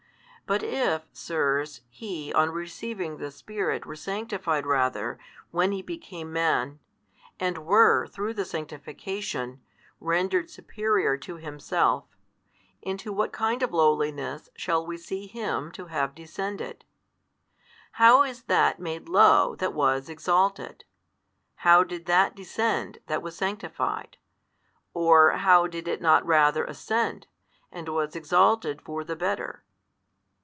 But if, sirs, He on receiving the Spirit were sanctified rather, when He became Man, and were, through the sanctification, rendered superior to Himself, into what kind of lowliness shall we see Him to have descended? How is That made low that was exalted, how did That descend that was sanctified, or how did it not rather ascend, and was exalted for the better?